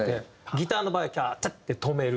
ギターの場合チャーチャッ！って止める。